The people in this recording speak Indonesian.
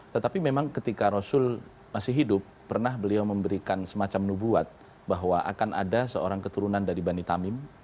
tetapi memang ketika rasul masih hidup pernah beliau memberikan semacam nubuat bahwa akan ada seorang keturunan dari bani tamim